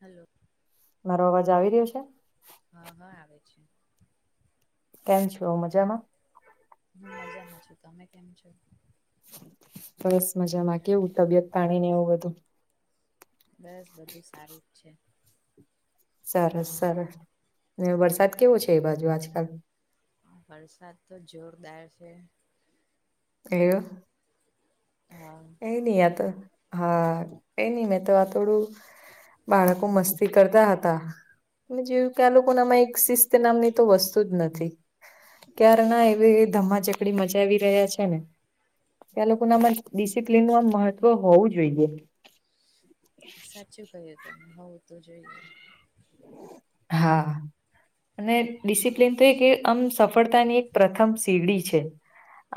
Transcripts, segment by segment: Hello. મારો અવાજ આવી રહ્યો છે. હા, હા આવે છે. કેમ છો મજામાં? હું મજામાં છું તમે કેમ છો? બસ મજામાં કેવું તબિયત પાણી ને એવું બધું? બસ બધું સારું જ છે. સરસ સરસ ને વરસાદ કેવો છે, એ બાજું આજકાલ? વરસાદ તો જોરદાર છે. એવું. હા. કઈ નઈ આ તો હા, કઈ નઈ મે તો આ થોડું બાળકો મસ્તી કરતા હતા જેયું કે આ લોકો નામાં એક શિસ્ત નામની તો વસ્તુ જ નથી. ક્યારે ના એવી ધમ્માચકડી મચાવી રહ્યા છે. કે ને એ લોકો ના આમાં ડિસિપ્લિનનું આમ મહત્વ હોવું જોઈએ. સાચું કય્યું તમે હોવું તો જોઈએ. હા અને ડિસિપ્લિન તો એ આમ સફળતાની એક પ્રથમ [unintelligible] છે.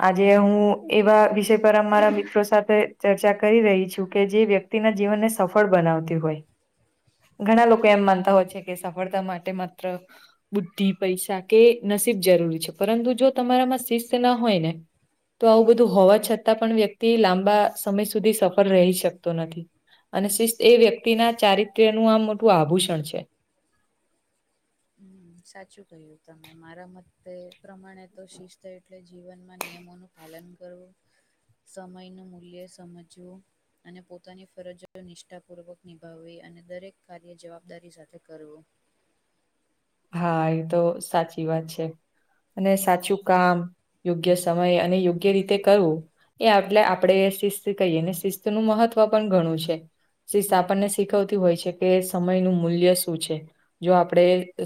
આજે હું એવા વિષય પર અમારા મિત્રો સાથે ચર્ચા કરી રહી છું કે જે વ્યક્તિ તિ ના જીવનને સફળ બનાવતી હોય ઘણા લોકો એમ માનતા હોય છે. સફળતા માટે માત્ર બુદ્ધિ પૈસા કે નસીબ જરૂરી છે, પરંતુ જો તમારામાં શિસ્ત ના હોય ને તો આવું બધું હોવા છતાં પણ, વ્યક્તિ લાંબા સમય સુધી સફળ રહી શકતો નથી. અને શિસ્ત એ વ્યક્તિના ચારિત્ર્ય નું આમ મોટું આભૂષણ છે, હમ સાચું કહ્યું તમે મારા મતે પ્રમાણે તો શિસ્ત એટલે જીવનમાં નિયમોનું પાલન કરવું સમય નું મૂલ્ય સમજવું. અને પોતાની ફરજ નિષ્ઠાપૂર્વક નિભાવવી અને દરેક કાર્ય જવાબદારી સાથે કરવું. હા એ તો સાચી વાત છે, અને સાચું કામ યોગ્ય સમય અને યોગ્ય રીતે કરવું. એ એટલે આપણે શિસ્ત કહીએ ને શિસ્તનું મહત્વ પણ ઘણું છે. આપણને શીખવતી હોય છે, કે સમય નું મૂલ્ય શું છે, જો આપડે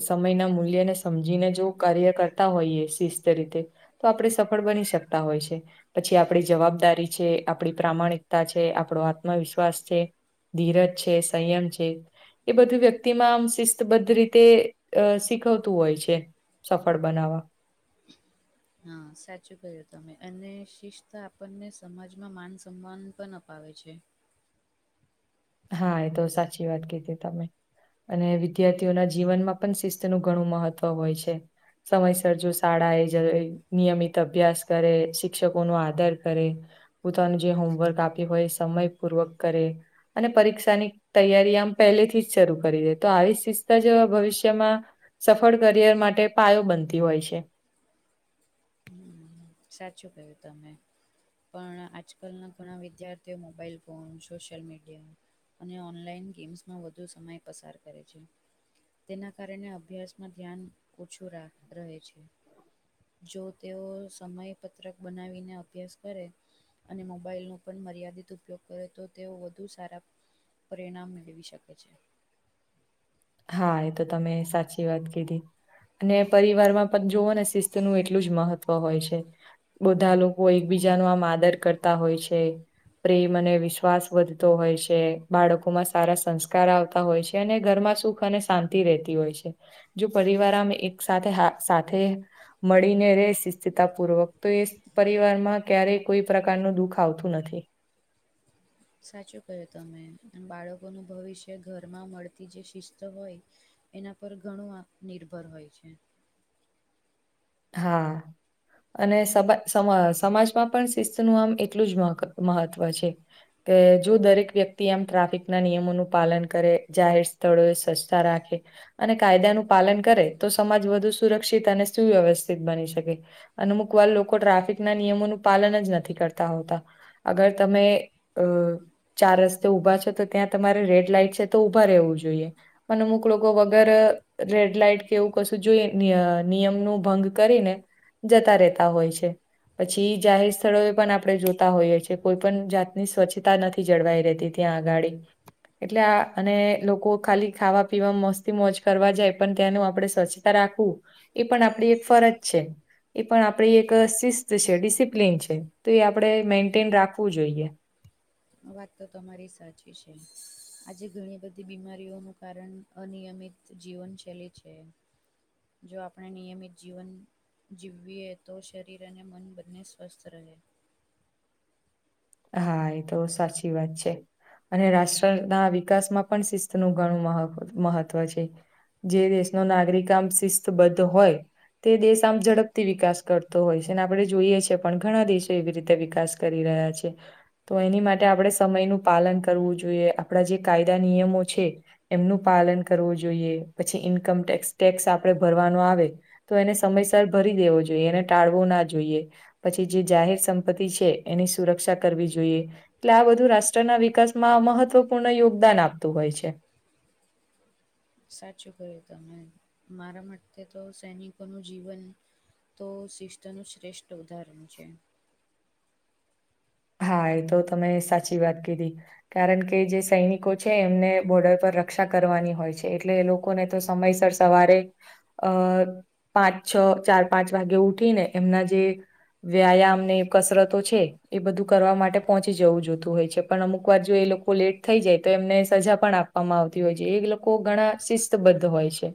સમયના મૂલ્યને સમજીને જો કાર્ય કરતા હોઈએ શિસ્ત રીતે તો આપણે સફળ બની શકતા હોય છે. પછી આપણી જવાબદારી છે, આપણી પ્રામાણિકતા છે, આપણો આત્મવિશ્વાસ છે. ધીરજ છે સંયમ છે એ બધું વ્યક્તિમાં આમ શિસ્તબદ્ધ રીતે અ શીખવતું હોય છે, સફળ બનાવવા. હા સાચું ક્યું તમે અને શિસ્ત આપણને સમાજમાં માન સન્માન પણ અપાવે છે. હા એ તો સાચી વાત કીધી તમે અને વિદ્યાર્થીઓના જીવનમાં પણ શિસ્તનું ઘણું મહત્વ હોય છે. સમયસર જો શાળા એ જ નિયમિત અભ્યાસ કરે, શિક્ષકો નો આદર કરે. પોતાનું જે હોમવર્ક આપ્યું હોય સમય પૂર્વક કરે, અને પરીક્ષાની તૈયારી આમ પહેલેથી જ શરૂ કરી દે તો આવી શિસ્તા જો ભવિષ્યમાં સફળ કરિયર માટે પાયો બનતી હોય છે. હમ સાચું કયું તમે, પણ આજકાલના ઘણા વિદ્યાર્થીઓ મોબાઈલ ફોન સોશિયલ મીડિયા અને ઓનલાઈન ગેમ્સમાં વધુ સમય પસાર કરે છે. તેના કારણે અભ્યાસમાં ધ્યાન ઓછું રહે છે. જો તેઓ સમયપત્રક બનાવીને અભ્યાસ કરે, અને મોબાાઈલનો પણ મર્યાદિત ઉપયોગ કરે તો તેઓ વધુ સારા પરિણામ મેળવી શકે છે. હા એ તો તમે સાચી વાત કીધી. અને પરિવારમાં પણ જોવો ને શિસ્ત નું એટલું જ મહત્વ હોય છે. બધા લોકો એકબીજા ન આમ આદર કરતા હોય છે. પ્રેમ અને વિશ્વાસ વધતો હોય છે. બાળકોમાં સારા સંસ્કાર આવતા હોય છે અને ઘરમાં સુું સુખ અને શાંતિ રહેતી હોય છે જો પરિવારમાં એક સાથે સાથે મળીને રહે શિથિતાપૂર્વક તો એ પરિવાર માં ક્યારેય કોઈ પ્રકારનું દુઃખ આવતું નથી. સાચું ક્યું તમે બાળકોનું ભવિષ્ય ઘરમાં મળતી જે શિસ્ત હોય એના પર ઘણું આત્મનિર્ભર હોય છે. હા અને સ સમાજમાં પણ શિસ્ત નું આમ એટલું જ મહત્વ છે. કે જો દરેક વ્યક્તિ આમ ટ્રાફિકના નિયમોનું પાલન કરે, જાહેર સ્થળોએ સ્વચ્છતા રાખે. અને કાયદાનું પાલન કરે તો સમાજ વધુ સુરક્ષિત અને સુવ્યવસ્થા બની શકે, અમુક વાર લોકો ટ્રાફિક ના નિયમોનું પાલન જ નથી કરતા હોતા. અગર તમે અ ચાર રસ્તે ઊભા છો તો ત્યાં તમારે રેડ લાઈટ છે તો ઊભા રહેવું જોઈએ. પણ અમુક લોકો વગર રેડ લાઈટ કે એવું કશું જોઈએ નિયમ નું ભંગ કરીને જતા રહેતા હોય છે. પછી જાહેર સ્થળોએ પણ આપણે જોતા હોઈએ છીએ, કોઈ પણ જાતની સ્વચ્છતા નથી. થી જળવાઈ રહેતી ત્યા આગાડી. એટલે આ અને લોકો ખાલી ખાવા પીવા મસ્તી મોજ કરવા જાય પણ્યાંનું આપડે સવચ રાખવું, એ પણ આપણી એક ફરજ છે. એ પણ આપડી એક શિસ્ત છે ડિસિપ્લન છે, તો એ આપણે મેન્ટેન રાખવું જોઈએ. વાત તો તમારી સાચી છે. આજે ઘણી બધી બીમારીઓનું કારણ અનિયમિત જીવનશૈલી છે. જો આપણે નિયમિત જીવન જીવવીએ તો શરીર અને મન બંને સ્વસ્થ રહે. હા એ તો સાચી વાત છે. અને રાષ્ટ્ર ના વિકાસમાં પણ શિસ્તનુ ઘણું મહ મહત્ત્વ છે. જે દેશનો નાગરિક આમ શિસ્તબદ્ધ હોય. તે દેશ આમ ઝડપથી વિકાસ કરતો હોય છે ને આપડે જોઈએ છે પણ ઘણા દેશો એવી રીતે વિકાસ કરી રહ્યા છે. તો એની માટે આપણે સમયનું પાલન કરવું જોઈએ આપણા જે કાયદા નિયમો છે. એમનું પાલન કરવું જોઈએ, પછી ઈન્કમટેક્ ટેક્સ આપે ભરવાનો આવે. તો એને સમયસર ભરી દેવો જોઈએ એને ટાળવો ના જોઈએ. પછી જે જાહેર સંપત્તિ છે એની સુરક્ષા કર જોઈએ એટલે આ બધું રાષ્ટ્રના વિકાસમાં મહત્વપૂર્ણ યોગદાન આપતું હોય છે. સાચું ક્યું તમે, મારા માટે તો સૈનિકોનું જીવન તો શિસ્ત નું શ્રેષ્ઠ ઉદાહરણ છે. હા એ તો તમે સાચી વાત કીધી. કારણ કે જે સૈનિકો છે એમને બોર્ડર પર રક્ષા કરવાની હોય છે, એટલે એ લોકો ને તો સમયસર સવારે અ પાંચ છ ચાર પાંચ વાગે ઉઠીને એમના જે વ્યાયામ ને કસરતો છે. એ બધું કરવા માટે પહોંચી જવું જોતું હોય છે, પણ અમુક વાર જો એ લોકો લેટ થઈ જાય તો એમને સજા પણ આપે આપવામાં આવતી હોય છે એ લોકો ઘણા શિસ્તબદ્ધ હોય છે.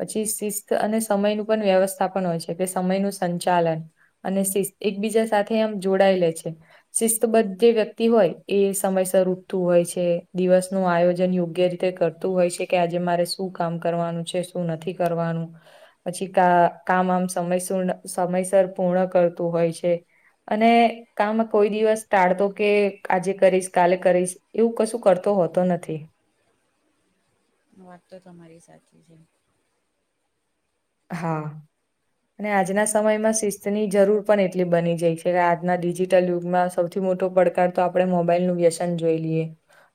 પછી શિસ્ત અને સમયનું પણ વ્યવસ્થા પણ હોય છે એટ સમયનું સંચાલન. અને એકબીજા સાથે આમ જોડાયે લે છે. શિસ્તબદ્ધ જે વ્યક્તિ હોય એ સમયસર ઉઠતું હોય છે દિવસ નું આયોજન યોગ્ય રીતે કરતું તું હોય છે કે આજે મારે શું કામ કરવાનું છે શું નથી કરવાનું. પછી કા કામ આમ સમયસ સમયસર પૂર્ણ કરતું હોય છે. અને કમાં કોઈ દિવસ ટાળતો કે આજે કરીશ કાલે કરીશ એવું કશું કરતો હોતો નથી. વાત તો તમારી સાચી છે. હા. અને આજના સમયમાં શિસ્તની જરૂર પણ એટલી બની જાય છે કે આજના ડિજિટલ યુગમાં સૌથી મોટો પડકાર તો આપણે મોબાઈલ નું વ્યસન જોઈ લઈએ.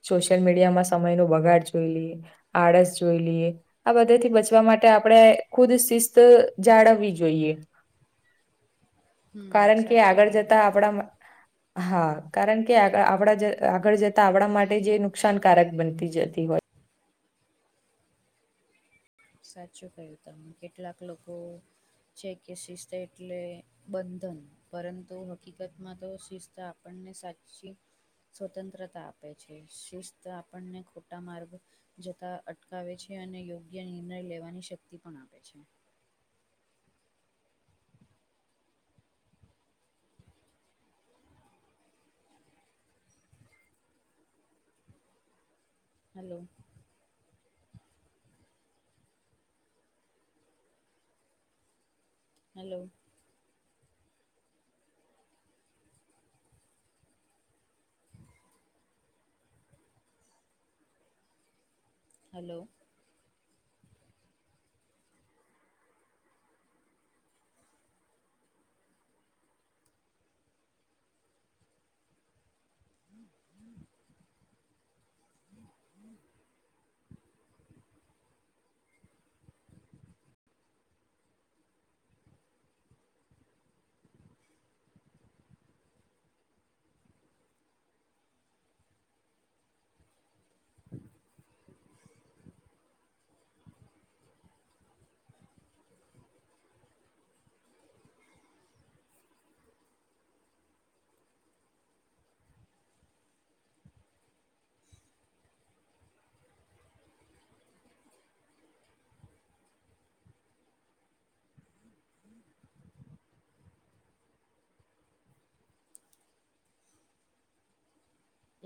સોશિયલ મીડિયામાં સમય ન બગાડ જોઈ લઈએ આળસ જોઈ લઈએ, આ બધા થી બચવા માટે આપણે ખુદ શિસ્ત જાળવવી જોઈએ. હમ્મ, કારણ કે સાચું આગળ કહ્યું. જતા આપણા હા કારણ કેડા આગળ જતા આવડા માટે જે નુકસાનકારક બનતી જતી હોય. સાચું કયું તમે કેટલાક લોકો છે કેસીિસ એટલે બંધન પરંતુ હકીકતમાં તો શિસ્ત આપણને સાચી સ્વતંત્રતા આપે છે શિસ્ત આપણને ખોટા માર્ગ જતા અટકાવે છે અને યોગ્ય નિર્ણય લેવાની શક્તિ પણ આપે છે. હલો. હલો. હલો.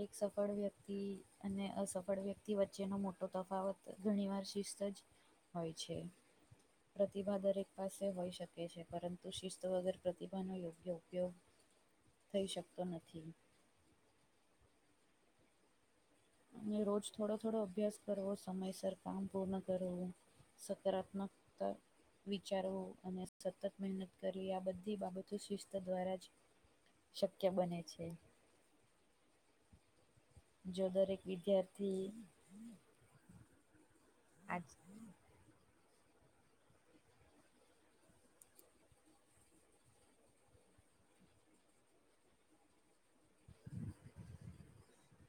એક સફળ વ્યક્તિ અને અસફળ વ્યક્તિ વચ્ચેનો મોટો તફાવત ઘણી વાર શિસ્ત જ હોય છે. પ્રતિભા દરેક પાસે હોઈ શકે છે પરંતુ શિસ્ત વગર પ્રતિભાનો યોગ્ય ઉપયોગ હ [inaudible] થઈ શકતો નથી. અને રોજ થોડો થોડો અભ્યાસ કરવો સમયસર કામ પૂર્ણ કરવું. સકારાત્મકતા વિચારવો અને સતત મહેનત કરી આ બધી બાબતો શિસ્ત દ્વારા જ શક્ય બને છે, જો દરેક વિદ્યાર્થી હમ. [inaudible] અચછ [inaudible]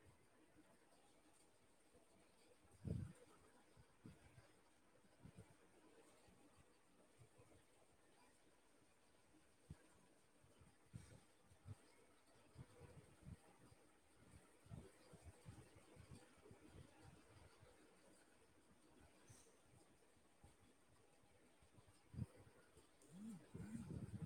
[inaudible] હ [inaudible]